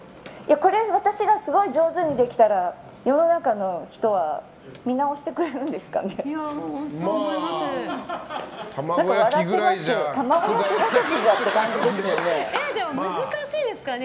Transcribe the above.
これ、私がすごい上手にできたら世の中の人は見直してくれるんですかね。